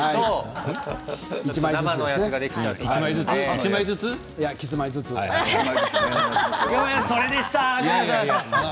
１枚ずつですね。